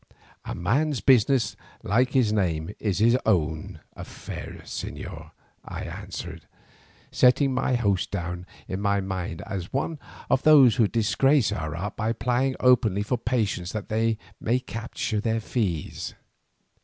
"A man's business, like his name, is his own affair, señor," I answered, setting my host down in my mind as one of those who disgrace our art by plying openly for patients that they may capture their fees.